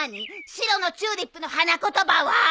白のチューリップの花言葉は！？